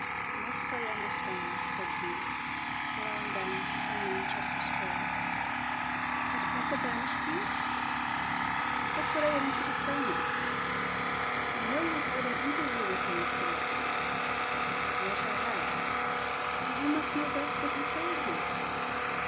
"Must I understand," said he, "that I am banished from Manchester Square?" "Has papa banished you?" "That's what I want you to tell me." "I know you had an interview with him, Mr. Lopez." "Yes. I had." "And you must know best what he told you."